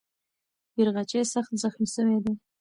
بیرغچی سخت زخمي سوی دی.